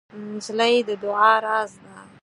نجلۍ د دعا راز ده.